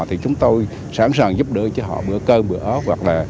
thì chúng tôi sẵn sàng giúp đỡ cho họ bữa cơm bữa ớt